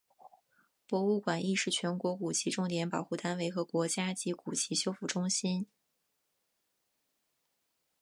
博物馆亦是全国古籍重点保护单位和国家级古籍修复中心。